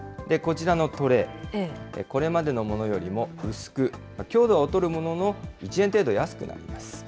こちらのトレー、これまでのものよりも薄く、強度は劣るものの、１円程度安くなります。